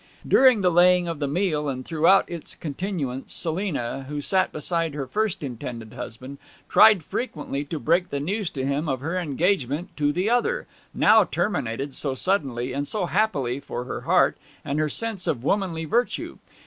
During the laying of the meal, and throughout its continuance, Selina, who sat beside her first intended husband, tried frequently to break the news to him of her engagement to the other now terminated so suddenly, and so happily for her heart, and her sense of womanly virtue.